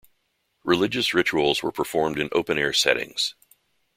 Religious rituals were performed in open air settings.